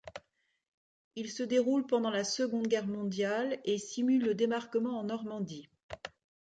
Il se déroule pendant la Seconde Guerre mondiale et simule le débarquement en Normandie.